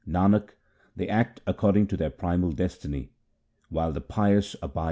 Nanak, they act according to their primal destiny, while the pious abide in the Name.